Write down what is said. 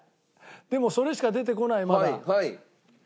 でもそれしか出てこないまだ。